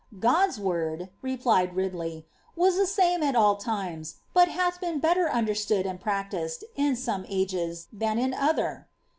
^ God's word," replied Ridley, ^ was the same at all times, but hath been better understood and practised, in some ages, than in other."